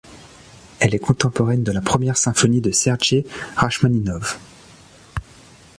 Elle est contemporaine de la première symphonie de Serge Rachmaninov.